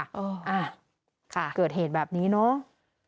อ่าเกิดเหตุแบบนี้เนาะ